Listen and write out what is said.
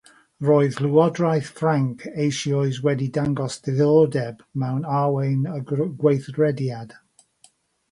Roedd Llywodraeth Ffrainc eisoes wedi dangos diddordeb mewn arwain y gweithrediad.